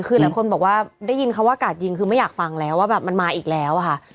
คือหลายคนบอกว่าได้ยินคำว่ากาดยิงคือไม่อยากฟังแล้วว่าแบบมันมาอีกแล้วอะค่ะ